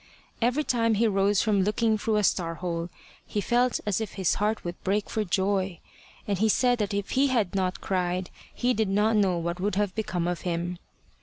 Every time he rose from looking through a star hole, he felt as if his heart would break for, joy; and he said that if he had not cried, he did not know what would have become of him.